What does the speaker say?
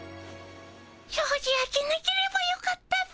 しょうじ開けなければよかったっピ。